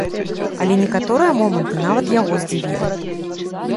Але некаторыя моманты нават яго здзівілі.